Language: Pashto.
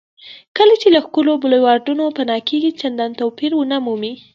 کله چې له ښکلو بولیوارډونو پناه کېږئ چندان توپیر ونه مومئ.